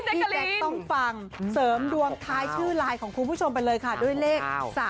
พี่แจ๊คต้องฟังเสริมดวงท้ายชื่อไลน์ของคุณผู้ชมไปเลยค่ะด้วยเลข๓๓